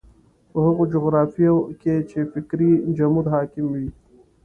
په هغو جغرافیو کې چې فکري جمود حاکم وي.